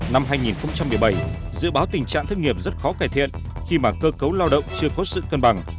năm hai nghìn một mươi bảy dự báo tình trạng thất nghiệp rất khó cải thiện khi mà cơ cấu lao động chưa có sự cân bằng